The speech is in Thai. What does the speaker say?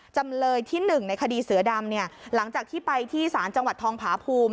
จำเลยที่๑ในคดีเสือดำเนี่ยหลังจากที่ไปที่ศาลจังหวัดทองผาภูมิ